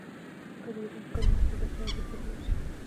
څنګه د ایران په کابینه کې د دفاع وزیر کېدلای شي.